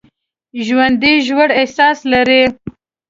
ژوندي ژور احساس لري